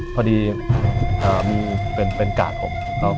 พอดีเป็นกากผม